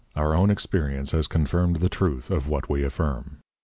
_Our own Experience has confirmed the Truth of what we affirm.